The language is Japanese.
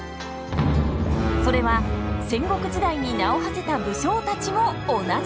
それは戦国時代に名をはせた武将たちも同じ。